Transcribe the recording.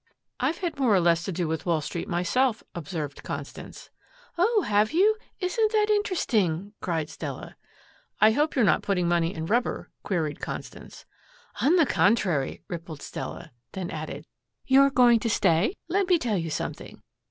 "I've had more or less to do with Wall Street myself," observed Constance. "Oh, have you? Isn't that interesting," cried Stella. "I hope you're not putting money in Rubber?" queried Constance. "On the contrary," rippled Stella, then added, "You're going to stay? Let me tell you something.